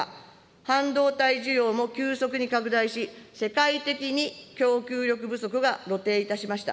半導体需要も急速に拡大し、世界的に供給力不足が露呈いたしました。